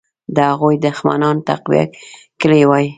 د هغوی دښمنان تقویه کړي وای.